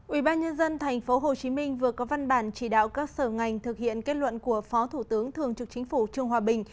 ủy ban nhân dân tp hcm vừa có văn bản chỉ đạo các sở ngành thực hiện kết luận của phó thủ tướng thường trực chính phủ trung hòa bình